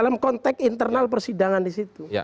dan internal persidangan di situ